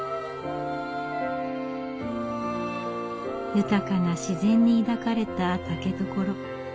豊かな自然に抱かれた竹所。